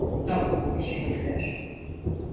Tamam, teşekkürler.